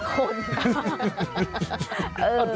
ขน